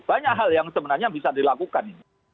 banyak hal yang sebenarnya bisa dilakukan